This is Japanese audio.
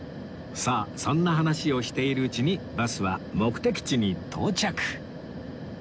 さあそんな話をしているうちにバスは目的地に到着